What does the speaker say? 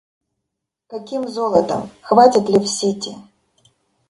Каким золотом — хватит ли в Сити?!